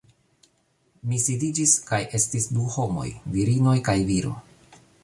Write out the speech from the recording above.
Mi sidiĝis kaj estis du homoj virinoj kaj viro